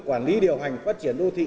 quản lý điều hành phát triển đô thị